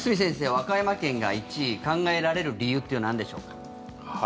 和歌山県が１位考えられる理由っていうのはなんでしょうか。